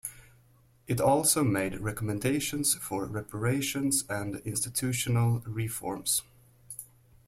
It also made recommendations for reparations and institutional reforms.